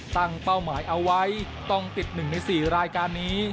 เป้าหมายเอาไว้ต้องติด๑ใน๔รายการนี้